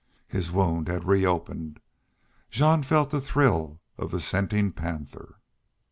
His wound had reopened. Jean felt the thrill of the scenting panther.